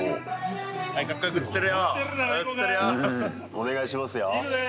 お願いしますよ。